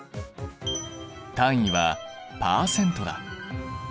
単位は％だ。